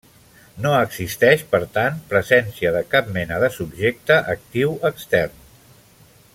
No existeix, per tant, presència de cap mena de subjecte actiu extern.